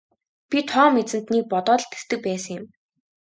Би Том эзэнтнийг бодоод л тэсдэг байсан юм.